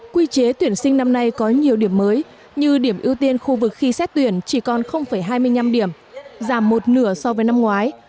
quy chế tuyển sinh năm nay có nhiều điểm mới như điểm ưu tiên khu vực khi xét tuyển chỉ còn hai mươi năm điểm giảm một nửa so với năm ngoái